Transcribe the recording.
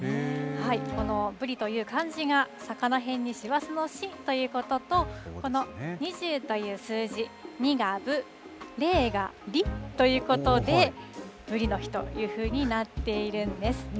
このブリという漢字が、魚へんに師走の師ということと、この２０という数字、２がブ、０がリということで、ブリの日というふうになっているんです。